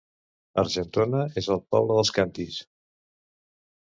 Argentona és el poble dels càntirs